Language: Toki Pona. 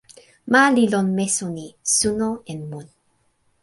ma li lon meso ni: suno en mun.